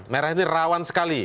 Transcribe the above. merah itu rawan sekali